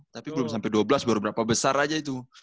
tapi belum sampai dua belas baru berapa besar aja itu